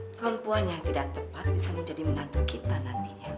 perempuan yang tidak tepat bisa menjadi menantu kita nantinya